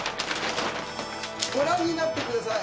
ご覧になってください。